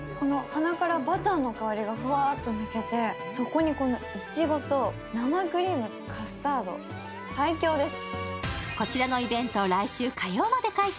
鼻からバターの香りがふわーっと抜けてそこにいちごと生クリームとカスタード、最強です。